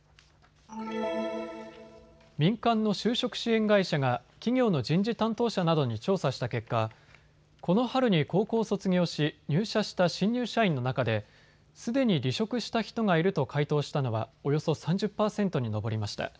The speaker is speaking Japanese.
民間の就職支援会社が企業の人事担当者などに調査した結果、この春に高校を卒業し、入社した新入社員の中ですでに離職した人がいると回答したのはおよそ３０％に上りました。